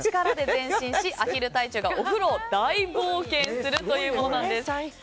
前進し、アヒル隊長がお風呂を大冒険するというものなんです。